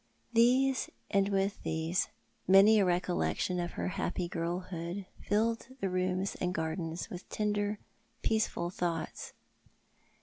Tlieso, and with these, many a recollection of her happy girlhood, filled the rooms and gardens with tender, peaceful thoughts.